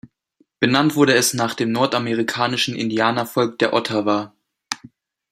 Benannt wurde es nach dem nordamerikanischen Indianervolk der Ottawa.